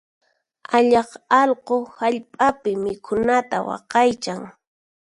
Allaq allqu hallp'api mikhunanta waqaychan.